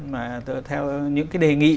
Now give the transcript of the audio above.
mà theo những cái đề nghị